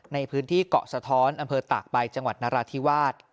ในพื้นที่เกาะสะท้อนอำเภอตากใบจังหวัดนราธิวาส